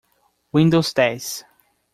Windows dez.